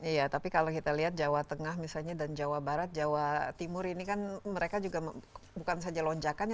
iya tapi kalau kita lihat jawa tengah misalnya dan jawa barat jawa timur ini kan mereka juga bukan saja lonjakannya